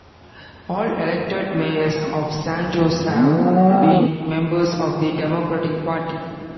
All elected mayors of San Jose have been members of the Democratic Party.